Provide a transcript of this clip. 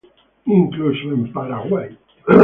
Incluso en Paraguay.